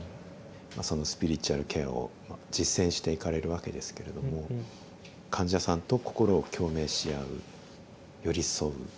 そのスピリチュアルケアを実践していかれるわけですけれども患者さんと心を共鳴し合う寄り添う。